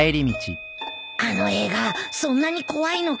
あの映画そんなに怖いのか